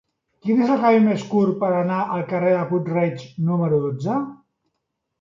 Quin és el camí més curt per anar al carrer de Puig-reig número dotze?